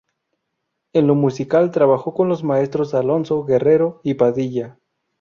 En lo musical trabajó con los maestros Alonso, Guerrero y Padilla.